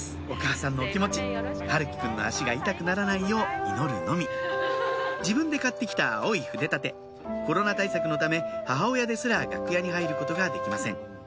お母さんのお気持ち陽喜くんの足が痛くならないよう祈るのみ自分で買って来た青い筆立てコロナ対策のため母親ですら楽屋に入ることができません